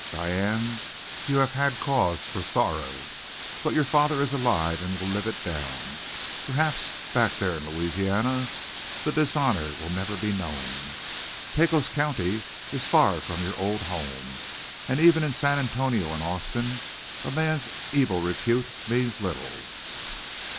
Diane, you have had cause for sorrow. But your father is alive and will live it down. Perhaps, back there in Louisiana, the dishonor will never be known. Pecos County is far from your old home. And even in San Antonio and Austin, a man's evil repute means little.